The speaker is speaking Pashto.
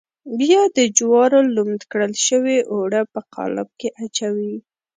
بیا د جوارو لمد کړل شوي اوړه په قالب کې اچوي.